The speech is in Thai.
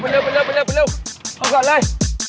เอาก่อนเลย